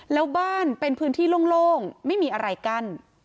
แล้วบ้านเป็นพื้นที่โล่งไม่มีอะไรกั้น